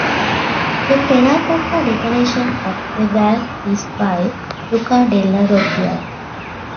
The terracotta decoration of the vault is by Luca della Robbia.